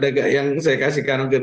ada yang saya kasihkan mungkin